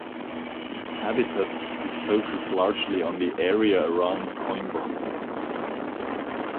Its habitat is focused largely on the area around Coimbra.